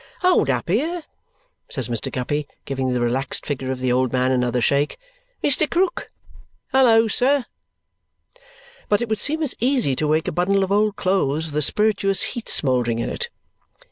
"Hold up here!" says Mr. Guppy, giving the relaxed figure of the old man another shake. "Mr. Krook! Halloa, sir!" But it would seem as easy to wake a bundle of old clothes with a spirituous heat smouldering in it.